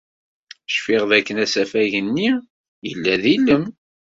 Cfiɣ dakken asafag-nni yella d ilem.